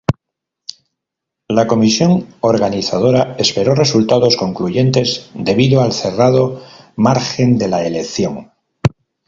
La comisión organizadora esperó resultados "concluyentes" debido al cerrado margen de la elección.